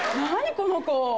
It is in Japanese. この子！